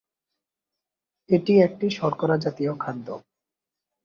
এটি একটি শর্করা জাতীয় খাদ্য।